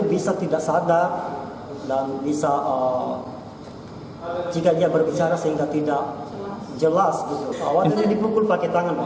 jika dia berbicara sehingga tidak jelas awalnya dipukul pakai tangan